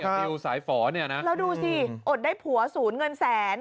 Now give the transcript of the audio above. ติวสายฝอเนี่ยนะแล้วดูสิอดได้ผัวศูนย์เงินแสน